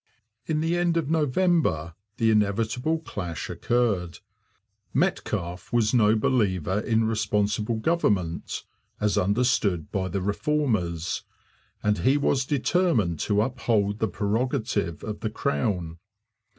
In the end of November the inevitable clash occurred. Metcalfe was no believer in responsible government as understood by the Reformers; and he was determined to uphold the prerogative of the Crown.